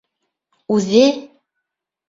Үҙе: